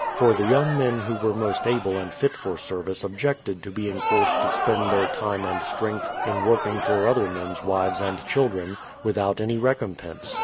For the young men who were most able and fit for service objected to being forced to spend their time and strength in working for other men's wives and children, without any recompense.